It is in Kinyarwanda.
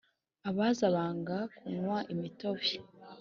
abaza banga kunywa imitobe